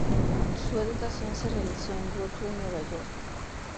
Su educación se realizó en Brooklyn, New York.